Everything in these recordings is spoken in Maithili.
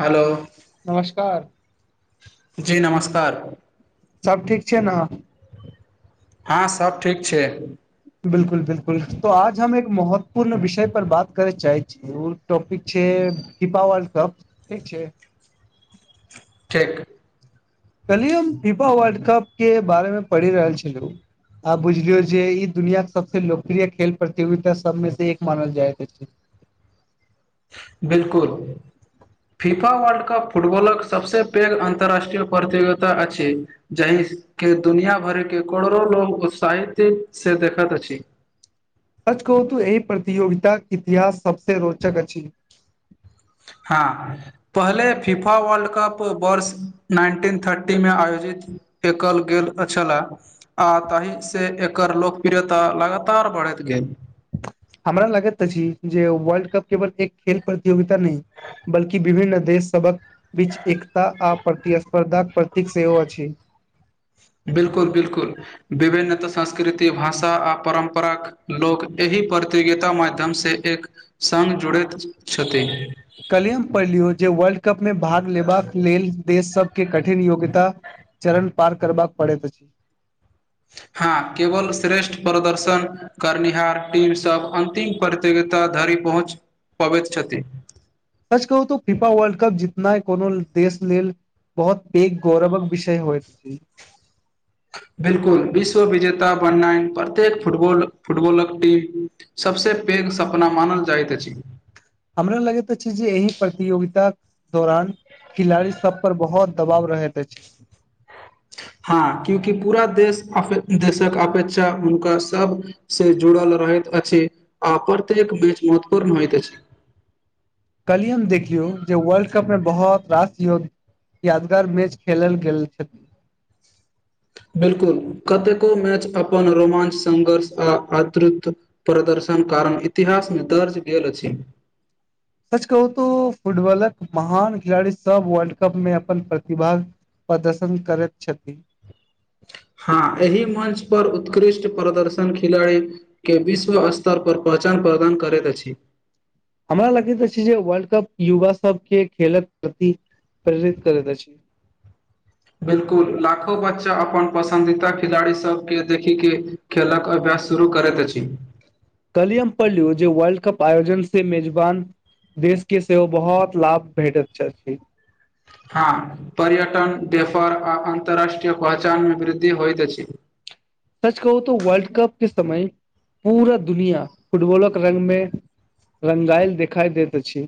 हेलो नमस्कार जी नमस्कार सब ठीक छै ने हँ सब ठीक छै बिलकुल बिलकुल तो आज हम एक महत्वपूर्ण विषय पर बात करे चाहे छीयै ऊ टॉपिक छै फीफा वर्ल्ड कप ठीक छै ठीक कल्हि हम फिफा वर्ल्ड कप के बारेमे पढ़ि रहल छलुं आब बुझलियौ जे ई दुनिया के सबसँ लोकप्रिय खेल प्रतियोगिता सबमे से एक मानल जाइत अछि। बिलकुल फीफा वर्ल्ड कप फुटबॉलक सबसँ पैघ अन्तररााष्ट्रीय प्रतियोगिता अछि जाहि के दुनिया भर के करोड़ो लोग उत्साहित्य से देखत अछि। सच कहूं तो एहि प्रतियोगिताक इतिहास सबसे रोचक अछि। हाॅं पहले फीफा वर्ल्ड कप वर्ष नाइन्टीन थर्टीमे आयोजित कएल गेल छले आ ताहि से एकर लोकप्रियता लगातार बढ़ैत गेल। [inaudible] हमरा लगैत अति जे वर्ल्ड कप केवल एक खेल प्रतियोगिता नहि बल्कि विभिन्न देश सभक बीच एकता आ प्रतिस्पर्धाक प्रतीक सेहो अछि। [inaudible] बिलकुल बिलकुल विभिन्नत संस्कृति, भाषा आ परम्पराक लोक एहि प्रतियोगिता माध्यमसँ एक संग जुड़ैत छथि। काल्हिये पढ़लहुं जे वर्ल्ड कप मे भाग लेबाक लेल देश सबके कठिन योग्यता चरण पार करबाक पड़ैत अछि। [unintelligible] हँ केवल श्रेष्ठ प्रदर्शन करनिहार टीम सभ अंतिम प्रतियोगित धरि पहुँच पबैत छथि। सच कहु त फिफा वर्ल्ड कप जितनाइ कोनो देश लेल बहुत पैर गौरवक विषय होएत [unintelligible] बिलकुल, विश्व विजेता बननाइ प्रत्येक फुटबॉल फुटबॉलक टीम सबसे पैघ लेल सपना मानल जाइत अछि। हमरा लगैत अछि जे एहि प्रतियोगिताक दौरान खिलाड़ी सब पर बहुत दबाव रहैत अछि। [unintelligible] हा क्यूंकि पूरा देश देशक अपेेक्षा हुनका सब से जुड़ल रहैत अछि आ प्रत्येक मैच महत्वपूर्ण होइत अछि। काल्हिये हम देखिलहुं जे वर्ल्ड कप मे बहुत रास यो यादगार मैच खेलल गेल छल। [unintelligible] बिलकुल, कतेको मैच अपन रोमांच संघर्ष आ अतिरिक्त प्रदर्शन शन कारण इतिहासमे दर्ज गेल अछि। सच कहु त फुटबॉलक महान खिलाड़ी सब वर्ल्ड कप मे अपन प्रतिभा प्रदर्शन करैत छथि। [unintelligible] हँ एहि मंच पर उत्कृष्ट प्रदर्शन खिलाड़ी के विश्व स्तर पर पहचान प्रदान करैत अछि। हमरा लगैत अछि जे वर्ल्ड कप युवा सबके खेलक प्रति प्रेरित करैत अछि। बिल्कुल लाखों बच्चा अपन पसन्दीदा खिलाड़ी सबके देखि के खेलक आ शुरू करैत अछि। काल्हिये हम पढ़लहुं जे वर्ल्ड कप आयोजन से मेेजबान देश के सेहो बहुत लाभ भेटैत छथि। हँ पर्यटन, व्यापार आ अन्तर्राष्ट्रीय पहचानमे वृद्धि होइत अछि। सच कहू त वर्ल्ड कप के समय पूरा दुनिया फुटबॉलक रंगमे रंगाइल देखाइ दैत अछि।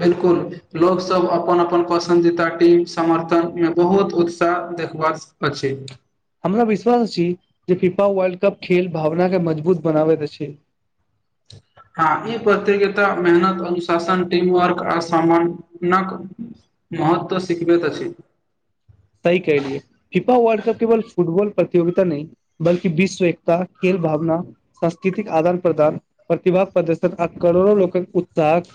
बिलकुल लोक सब अपन अपन पसन्दीदा टीम समर्थन मे बहुत उत्साह देखभाल मे छै। हमरा विश्वास अछि जे फिफा वर्ल्ड कप खेल भावना के मजबूत बनाबैत अछि। ठीक। हँ ई प्रतियोगिता मेहनत, अनुशासन टीम वर्क आ सामानक महत्व सिखबैत अछि। सही कहलियै, फिफा वर्ल्ड कप केवल फुटबॉल प्रतियोगिता नहि बल्कि विश्व एक खेल भावना, सांस्कृतिक आदान प्रदान, प्रतिभा प्रदर्शन आ करोड़ो लोक उत्साह त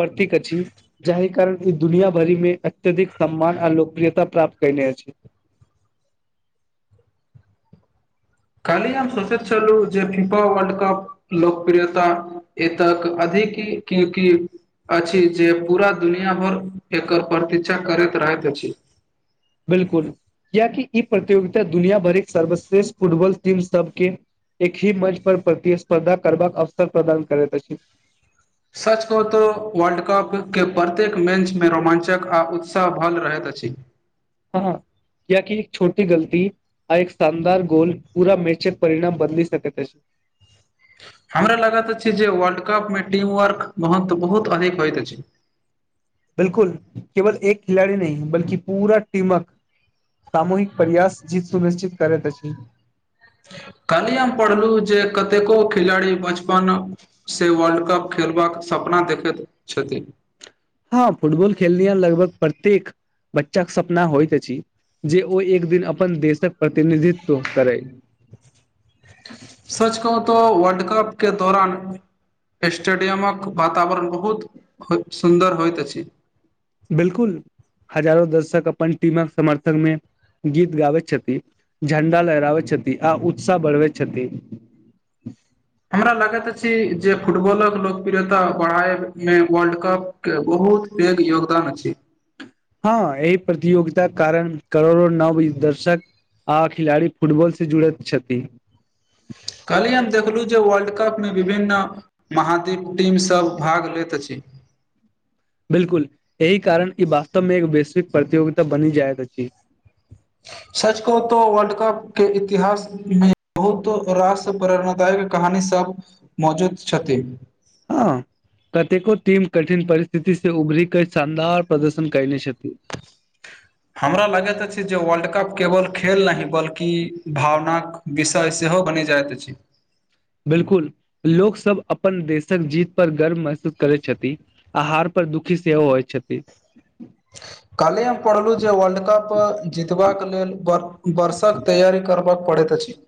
प्रतीक अछि जाहि कारण ई दुनिया भरिमे अत्यधिक सम्मान आ लोकप्रियता प्राप्त कयने अछि। कल्हि हम सोचैत छलहुँ जे फीफा वर्ल्ड कप लोकप्रियता एतेक अधिक की अछि जे पूरा दुनिया भर एकर प्रतीक्षा करैत रहैत अछि। [inaudible] बिलकुल कियाकि ई प्रतियोगिता दुनिया भरिक सर्वश्रेष्ठ फुटबॉल टीम सबके एक ही मंच पर प्रतिस्पर्धा करबाक अवसर प्रदान करैत अछि। सच कहों तो वर्ल्ड कप के प्रत्येक मैच मे रोमांचक आ उत्साह भरल रहैत अछी। ह ह कीयेकी एक छोटी गलती आ एक शानदार गोल पूरा मैचक परिणाम बदलि सकैत अछि। हमरा लगैत अछि जे वर्ल्ड कपमे टीम वर्क महत्व बहुत अधिक होइत अछि। [inaudible] बिलकुल केवल एक खिलाड़ी नहि बल्कि पूरा टीमक सामूहिक परयास जीत सुनिश्चित करैत अछि। कल्ही हम पढ़लहु जे कतेको खिलाड़ी बचपन से वर्ल्ड कप खेलबाक सपना देखैत छथिन। हँ फुटबॉल खेलनिहार लगभग प्रत्येक बच्चाके सपना होइत अछि जे ओ एक दिन अपन देशक प्रतिनिधित्व करै। सच कहूं तो वर्ल्ड कप के दौरान स्टेडियमक वातावरण बहुत सुन्दर होइत अछि। बिलकुल हजारों दर्शक अपन टीमक समर्थनमे गीत गाबैत तिथि, झंडा लहराबैत छथि आ उत्साह बढ़बैत छथि। [inaudible] हमरा लागैत अछि जे फुटबॉलक लोकप्रियता बढ़ायबमे वर्ल्ड कप के बहुत बहुत पैघ योगदान अछि। हँ एहि प्रतियोगिताक कारण करोड़ो नव दर्शक आ खिलाड़ी फुटबॉल से जुड़ैत छथि। कलही हम देखलु जे वर्ल्ड कप मे विभिन्न महाद्वीप टीमसभ भाग लैत अछि। [inaudible] बिलकुल एहि कारण ई वास्तवमे एक वैश्विक प्रतियोगिता बनि जाइत अछि। सच कहों तो वर्ल्ड कप के इतिहासमे बहुतो रास प्रेरणादायक कहानी सब मौजूद छथि। हँ कतेको टीम कठिन परिस्थिति से उबरी कऽ शानदार प्रदर्शन कयने छथि। हमरा लगैत अछि जे वर्ल्ड कप केवल खेल नहि बल्कि भावनाक विषय सेहो बनि जाइत अछि। बिलकुल लोक सब अपन देशक जीत पर गर्व महसूस करैत छथि आ हार पर दुखी सेहो होइ छथि। [inaudible] कल्हि हम पढ़लहु जे वर्ल्ड कप जीतबाक लेल व वर्षक तैयारी करबाक पडैत अछी।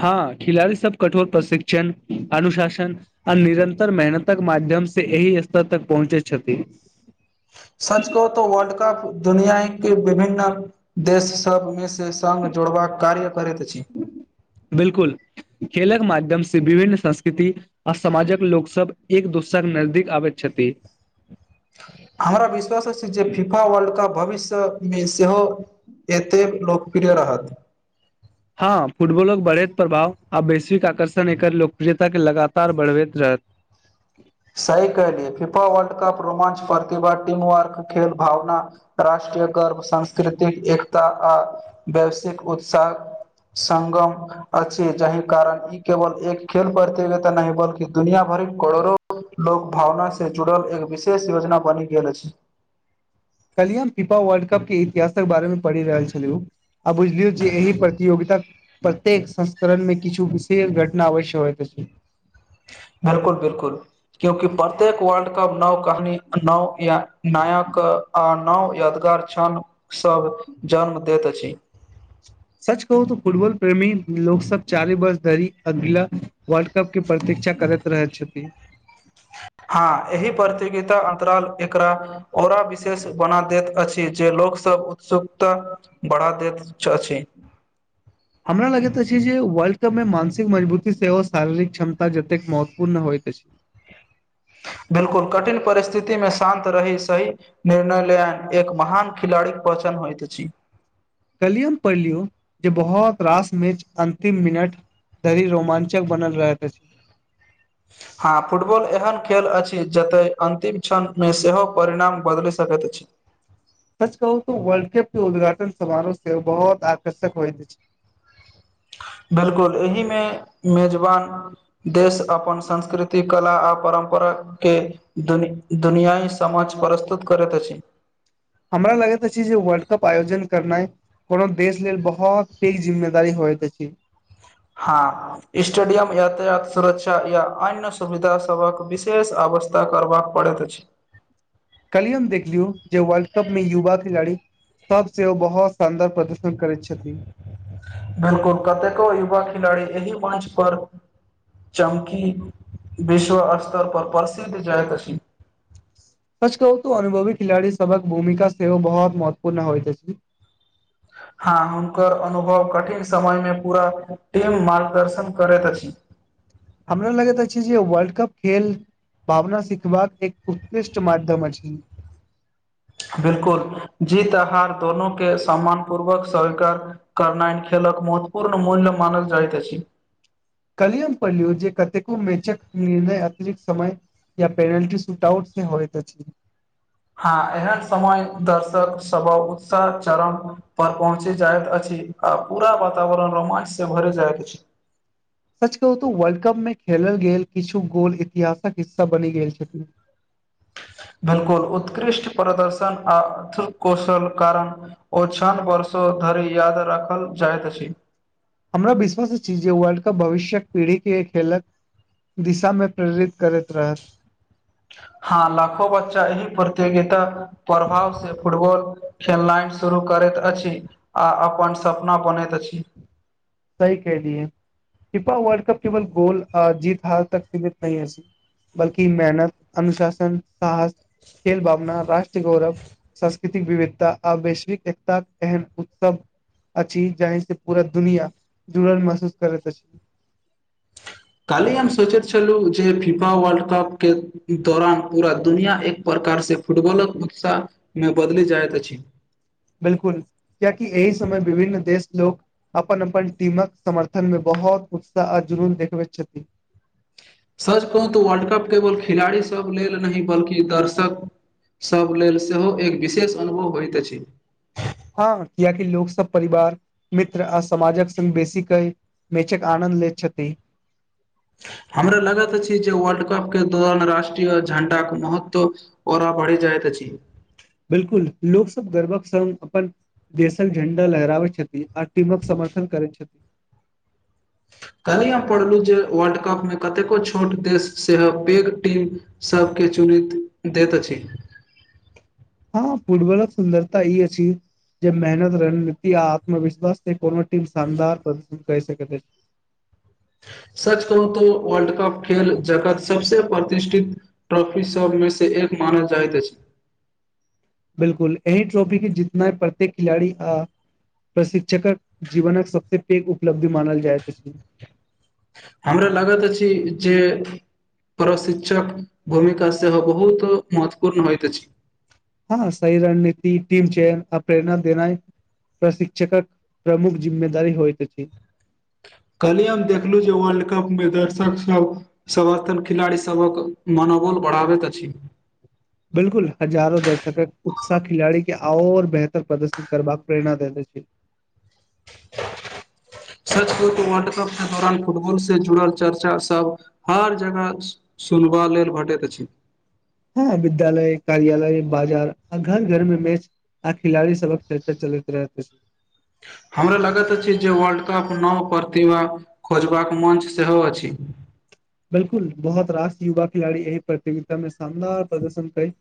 हँ खिलाड़ी सब कठोर प्रशिक्षण, अनुशासन आ निरन्तर मेहनतक माध् माध्यम से एहि स्तर तक पहुँचे छथि। सच कहो तो वर्ल्ड कप दुनिया के विभिन्न देश सबमे स जोड़बाक कार्य करैत अछी। बिलकुल खेलक माध्यम से विभिन्न संस्कृति आ समाजक लोक सब एक दोसरा के नजदीक आबैत छथि। [inaudible] हमरा विश्वास अछि जे फीफा वर्ल्ड कप भविष्यमे सेहो एतेक लोकप्रिय रहत हँ फुटबॉलक बढ़ैत प्रभाव आ वैश्विक आकर्षण एकर लोकप्रियता के लगातार बढ़बैत रह हत। सही कहलियै फीफा वर्ल्ड कप रोमांच प्रतिभा, टीम वर्क, खेल भावना, राष्ट्रीय गर्व, संंस्कृतिक एक आ आ वैश्विक उत्साह संगम अछि जाहि कारण ई केवल एक खेल प्रतियोगिता नहि बल्कि दुनियाभर के करोड़ो लोक भावना से जुड़ल एक विशेष योजना बनि गेल अछि। कल्ही हम फीफा वर्ल्ड कपके इतिहासक बारेमे पढ़ि रहल छलु आ बुझिलियउ जे एही प्रतियोगिता प्रत्येक संस्करणमे किछु विशेष घटना अवश्य होइत अछि। बिलकुल बिलकुल क्योंकि प्रत्येक वर्ल्ड अब नओ कहानी नओ या नयाक आन नव यादगार छणसभ जन्म दैत अछि। सच कहू तो फुटबॉल प्रेमी लोक सब चारी वर्ष धरि अगिला वर्ल्ड कप के प्रति क्षा करैत रहै छथि। [inaudible] हँ एहि प्रतियोगिता अंतराल एकरा ओरा विशेष बना दैत अछि। जे लोकसभ उत्सुकता बढ़ा दैत अछि। हमरा लगैत अछि जे वर्ल्ड कप मे मानसिक मजबूती सेहो शारीरिक क्षमता जतेक महत्वपूर्ण होइत अछि। [inaudible] बिलकुल कठिन परिस्थिति में शान्त रहि सही निर्णय लेनाइ एक महान खिलाड़ीक पहचान चान होईत अछि। कल्ही हम पढ़लियो जे बहुत रास मैच अंतिम मिनट धरी रोमांचक बनल रहत अछि [inaudible] हँ फुटबॉल एहन खेल अछि जतय अन्तिम क्षणमे सेहो परिणाम बदलि सकैत अछि। [inaudible] सच कहू तो वर्ल्ड कप के उद्घाटन समारोह सेहो बहुत आकर्षक होइत अछि [inaudible] बिलकुल एहि मे मेजबान देश अपन संस्कृति, कला आ परम्परा के दुनि दुनियाई समक्ष प्रस्तुत करैत अछि। हमरा लगैत अछि जे वर्ल्ड कप आयोजन करनाइ कोनो देश लेल बहोत पैघ जिम्मेदारी होइत अछि। हाॅं स्टेडियम, यातायात, सुरक्षा या अन्य सुविधा सभक विशेष अ व्यवस्था करबाक पड़ैत अछि। कल्ही हम देखलियौ जे वर्ल्ड कप मे युवा खिलाड़ी सभ सेहो बहुत शानदार प्रदर्शन करैत छथि। बिलकुल कतेको युवा खिलाड़ी एहि मंच पर चमकी विश्व स्तर पर प्रसिद्ध जायत अछि। सच कहू तो अनुभवी खिलाड़ी सबक भूमिका सेहो बहुत महत्वपूर्ण होइत अछि हँ हुनकर अनुभव कठिन समय में, पूरा टीम मार्गदर्शन करैत अछि। [unintelligible] हमरा लगैत अछी जे वर्ल्ड कप खेल। भावना सिखबाक एक उत्कृष्ट माध्यम अछि। बिल्कुल, जीत-हार दोनों के सम्मानपूर्वक स्वीकार करनाइन। महत्वपूर्ण मूल्य मानल जाइत अछी। कल्हि हम पढ़लियौ, जे कतेको मेचक निर्णय अतिरिक्त समय। या प्लेटी सुट-आउट से होयत अछि। हँ, एहन समय दर्शक सभक उत्साह चरण पर पहुँची जाइत अछि। आ पूरा वातावरण रोमांच से भर जायत अछि। सच कहू त वर्ल्ड कप में खेलल गेल, किछु गोल इतिहासक हिस्सा बनि गेल छथिन। [unintelligible] बिल्कुल, उत्कृष्ट प्रदर्शन आ अर्थकौशल कारण ओ छान वर्ष। धरि याद रखल जाइत अछि। हमरा विश्वास अछि, जे वर्ल्ड कप भविष्य पीढ़ी के खेलक। दिशा में प्रेरित करैत रहत। हँ, लाखो बच्चा एहि प्रतियोगिता प्रभाव से फुटबॉल। खेलनाइ शुरू करैत अछि, आ अपन सपना बनैत अछि। सही कहलियै। पिपा वर्ल्ड कप केवल गोल, आ जीत-हार तक सीमित नहि अइछ। बल्कि मेहनत, अनुशासन, साहस, खेल भावना, राष्ट्र गौरव। सांस्कृतिक विविधता आ वैश्विक एकताक एहन उत्सव। अछि जाहि से पूरा दुनिया जुड़ल महसूस करैत अछि। काल्हि हम सोचैत छलहुँ, जे फीफा वर्ल्ड कप के दौरान पूरा दुनिया एक प्रकार। प्रकार से फुटबॉलक उत्साह में बदलि जाइत अछि। बिल्कुल, कियाकि एहि समय विभिन्न देश लोक। अपन-अपन टीमक समर्थन में बहुत उत्साह आ जुनून देखबैत छथिन। सच कहू तऽ वर्ल्ड कप केवल खिलाड़ी सब लेल नहि बल्कि दर्शक। सभ लेल सेहो एक विशेष अनुभव होइत अछि। हँ, कियाकि लोक सब परिवार, मित्र आ समाजक संग बेसी क मेचक आनं। ले छथि। [unintelligible] हमरा लगत अछि जे वर्ल्ड कप के दौरान राष्ट्रीय झंडा के महत्व औरा बढ़ी जायत। अछि। बिल्कुल, लोक सब गर्वक संग अपन देशक झंडा लहराबैत छथि, आ टीमक सब। समर्थन करै छथि। [unintelligible] कल्हि हम पढ़लू, जे वर्ल्ड कप मे कतेको छोट देश से पैघ टीम सब के। देैत अछि। हँ पुर्वरत सुन्दरता ई अछि। जे मेहनत, रणनीति आ आत्मविश्वास से कोनो टीम शानदार प्रदर्शन कै सकैत अछि। [unintelligible] सच कहू तो, वर्ल्ड कप खेल जगत सबसे प्रतिष्ठित ट्रॉफी सभमें से एक। मानल जायत अइछ। बिल्कुल, एहि ट्रॉफी के जितनैय प्रत्येक खिलाड़ी आ। प्रशिक्षकक जीवनक सबसे पैघ उपलब्धि मानल जाइत छै। हमरा लागैत अछि जे प्रशिक्षक भूमिका सेहो बहुत महत्वपूर्ण होइत अछि। हँ सही रणनीति टीम चयन आ प्रेरणा देनाइ प्रशिक्षकक प्रमुख जिम्मेदारी होइत अछि। काल्हिये हम देखलहुं जे वर्ल्ड कप मे दर्शक सब अपन खिलाड़ी सबहक मना मनोबल बढ़ाबैत अछि। बिलकुल, हजारो दर्शकक उत्साह खिलाड़ी के और बेहतर प्रदर्शन करबाके प्रेरणा दैत अछि। [unintelligible] [unintelligible] सच कहु वर्ल्ड कप के दौरान फुटबॉल से जुड़ल चर्चा सब हर जगह सुनबा लेल भेटैत अछि। हां विद्यालय, कार्यालय, बाजार आ घर घर में मैच आ खिलाड़ी सबक चरचा चलैत रहै [unintelligible] हां। हमरा लगैत अछि जे वर्ल्डकप नव प्रतिभा खोजबाक मंच सेहो अछि। बिलकुल, बहुत रास युवा खिलाड़ी एहि प्रतियोगिता मे सामना प्रदर्शन करि